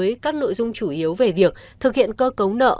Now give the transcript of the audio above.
với các nội dung chủ yếu về việc thực hiện cơ cấu nợ